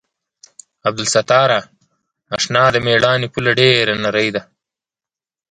عبدالستاره اشنا د مېړانې پوله ډېره نرۍ ده.